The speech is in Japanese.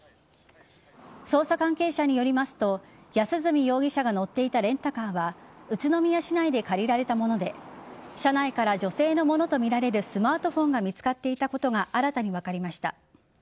捜査関係者によりますと安栖容疑者が乗っていたレンタカーは宇都宮市内で借りられたもので車内から女性のものとみられるスマートフォンが見つかっていたことが新たに分かりました。